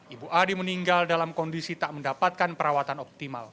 ibu ade meninggal dalam kondisi tak mendapatkan perawatan optimal